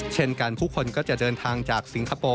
เช่นกันผู้คนก็จะเดินทางจากสิงคโปร์